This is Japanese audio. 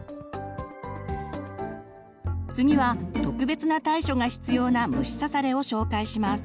次は特別な対処が必要な虫刺されを紹介します。